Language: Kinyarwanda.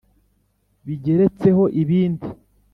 Bigeretseho ibindi :